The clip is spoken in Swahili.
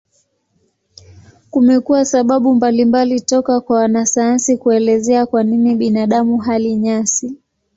Kumekuwa sababu mbalimbali toka kwa wanasayansi kuelezea kwa nini binadamu hali nyasi.